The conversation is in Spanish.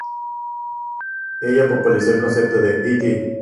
Ella popularizó el concepto de "It".